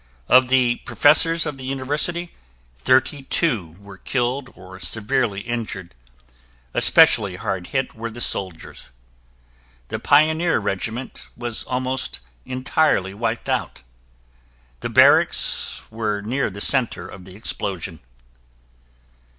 Of the professors of the University, thirty two were killed or severely injured. Especially hard hit were the soldiers. The Pioneer Regiment was almost entirely wiped out. The barracks were near the center of the explosion.